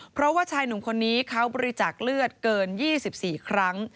เพราะว่าชายหนุ่มคนนี้เขาบริจาคเลือดเกิน๒๔ครั้ง